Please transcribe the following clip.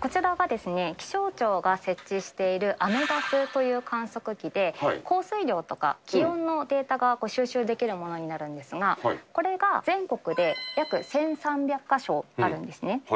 こちらが、気象庁が設置しているアメダスという観測器で、降水量とか気温のデータが収集できるものになるんですが、これが全国で約１３００か所あるんですね。